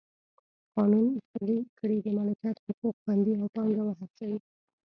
قانون پلی کړي د مالکیت حقوق خوندي او پانګونه وهڅوي.